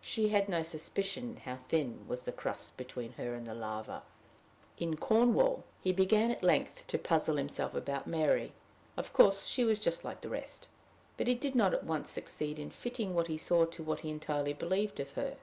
She had no suspicion how thin was the crust between her and the lava. In Cornwall, he began at length to puzzle himself about Mary. Of course she was just like the rest! but he did not at once succeed in fitting what he saw to what he entirely believed of her.